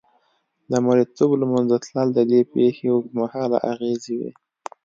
مریتوب له منځه تلل د دې پېښې اوږدمهاله اغېزې وې.